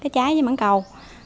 trái mảng cầu